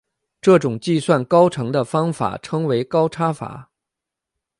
这种计算高程的方法称为高差法。